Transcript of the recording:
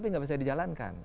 tapi nggak bisa dijalankan